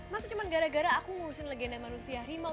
masa cuma gara gara aku ngurusin legenda manusia